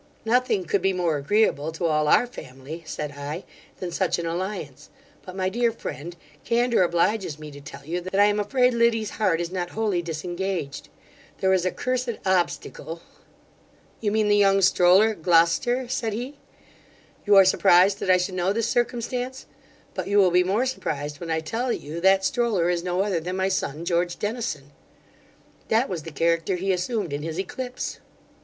'Nothing could be more agreeable to all our family (said I) than such an alliance; but, my dear friend, candour obliges me to tell you, that I am afraid Liddy's heart is not wholly disengaged there is a cursed obstacle' 'You mean the young stroller at Gloucester (said he) You are surprised that I should know this circumstance; but you will be more surprised when I tell you that stroller is no other than my son George Dennison That was the character he assumed in his eclipse.